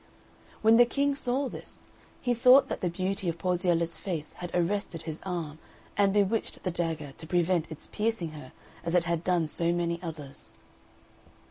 When the King saw this, he thought that the beauty of Porziella's face had arrested his arm and bewitched the dagger to prevent its piercing her as it had done so many others.